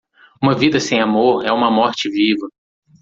Uma vida sem amor é uma morte viva.